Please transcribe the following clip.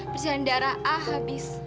persediaan darah a habis